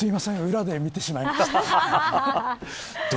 裏で見てしまいました。